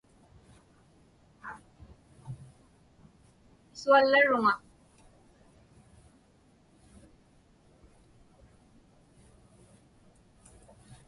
Pisuallaruŋa.